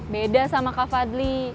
beda sama kak fadli